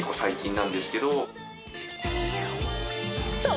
そう！